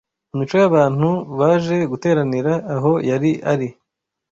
imico y’abantu baje guteranira aho yari ari